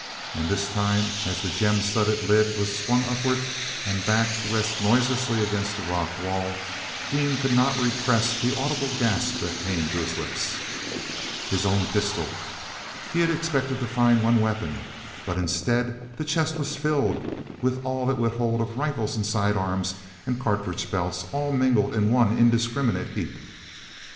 And this time as the gem studded lid was swung upward and back to rest noiselessly against the rock wall, Dean could not repress the audible gasp that came to his lips. His own pistol! He had expected to find the one weapon, but, instead, the chest was filled with all it would hold of rifles and side arms and cartridge belts, all mingled in one indiscriminate heap.